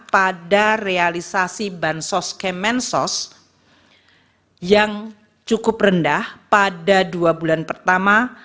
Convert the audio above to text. pada realisasi bansos kemensos yang cukup rendah pada dua bulan pertama